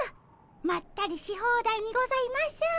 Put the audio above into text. まったりし放題にございます。